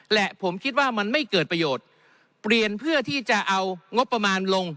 และผมคิดว่ามันไม่เกิดประโยชน์เปลี่ยนเพื่อที่จะเอางบประมาณลง